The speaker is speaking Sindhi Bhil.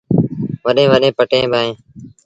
وڏيݩ وڏيݩ ڀٽيٚن با اهين